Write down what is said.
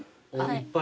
いっぱい。